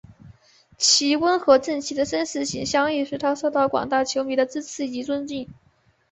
其温和正气的绅士形象亦使他受到广大球迷的支持及尊敬。